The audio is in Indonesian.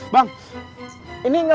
bapak masih hangat